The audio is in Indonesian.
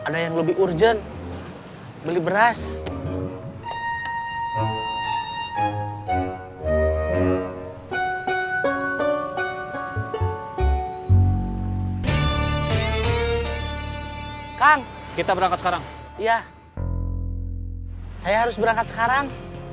saya harus berangkat sekarang